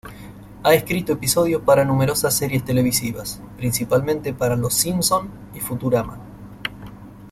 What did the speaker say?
Ha escrito episodios para numerosas series televisivas, principalmente para "Los Simpson" y "Futurama".